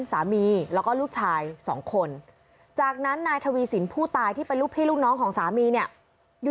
สามีแล้วก็ลูกชายสองคนจากนั้นนายทวีสินผู้ตายที่เป็นลูกพี่ลูกน้องของสามีเนี่ยอยู่